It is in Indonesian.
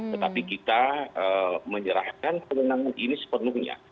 tetapi kita menyerahkan kewenangan ini sepenuhnya